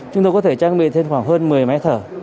chúng tôi có thể trang bị thêm khoảng hơn một mươi máy thở